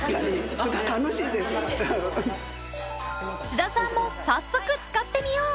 須田さんも早速使ってみよう！